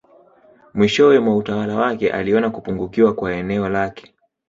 Mwishowe mwa utawala wake aliona kupungukiwa kwa eneo lake